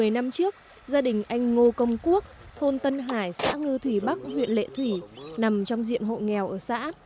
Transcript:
một mươi năm trước gia đình anh ngô công quốc thôn tân hải xã ngư thủy bắc huyện lệ thủy nằm trong diện hộ nghèo ở xã